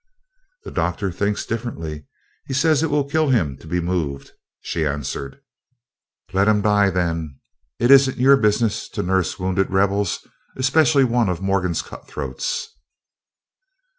"The Doctor thinks differently; he says it will kill him to be moved," she answered. "Let him die, then. It isn't your business to nurse wounded Rebels, especially one of Morgan's cutthroats."